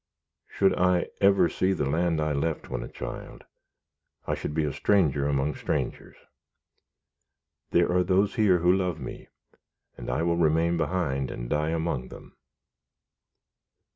Should I ever see the land I left when a child, I should be a stranger among strangers. There are those here who love me, and I will remain behind and die among them."